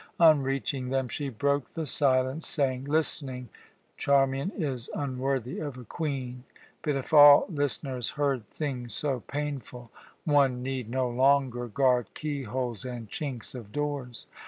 On reaching them, she broke the silence, saying: "Listening, Charmian, is unworthy of a Queen; but if all listeners heard things so painful, one need no longer guard keyholes and chinks of doors.